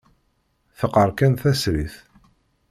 Teqqar kan tasrit.